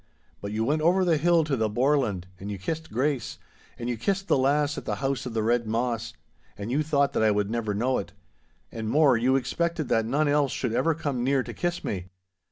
But you went over the hill to the Boreland and you kissed Grace, and you kissed the lass at the house of the Red Moss—and you thought that I would never know it. And more, you expected that none else should ever come near to kiss me.